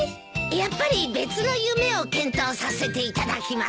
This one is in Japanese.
やっぱり別の夢を検討させていただきます。